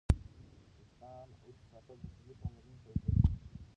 ویښتان اوږد ساتل د صحي پاملرنې سره تړلي.